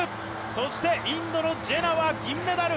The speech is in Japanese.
そして、インドのジェナは銀メダル。